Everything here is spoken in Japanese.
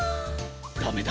ダメだ。